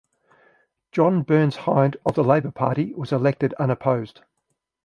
John Burns Hynd of the Labour Party was elected unopposed.